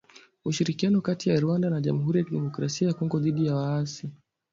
Ushirikiano kati ya Rwanda na jamuhuri ya kidemokrasia ya Kongo dhidi ya waasi